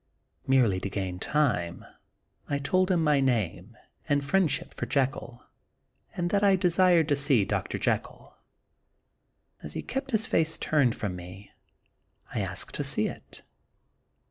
Merely to gain time I told him my name, and friend ship for Jekyll, and that I desired to see Dr. JekylU As he kept his face turned from me, I asked to see it.